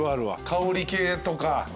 香り系とか。